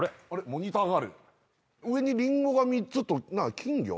モニターがある上にリンゴが３つと金魚？